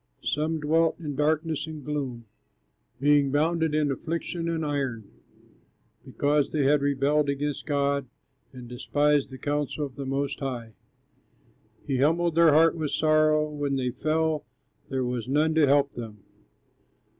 Some dwelt in darkness and gloom, Being bound in affliction and iron, Because they had rebelled against God, And despised the counsel of the Most High. He humbled their heart with sorrow; When they fell, there was none to help them.